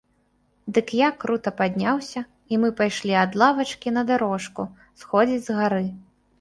Дык я крута падняўся, і мы пайшлі ад лавачкі на дарожку, сходзіць з гары.